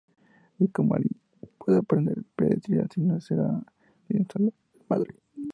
Y "“¿Cómo alguien puede aprender pediatría si no se está al lado la madre?